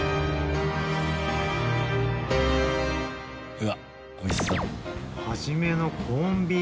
うわっ美味しそう。